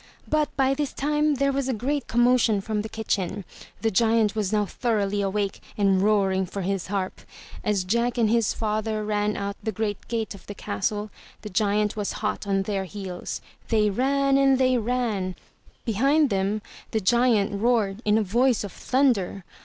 But by this time there was a great commotion from the kitchen. The giant was now thoroughly awake and roaring for his harp. As Jack and his father ran out the great gate of the Castle, the giant was hot on their heels. They ran and they ran! Behind them the giant roared in a voice of thunder.